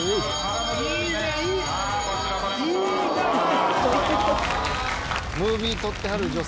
いいじゃない！